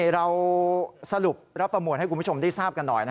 เราสรุปแล้วประมวลให้คุณผู้ชมได้ทราบกันหน่อย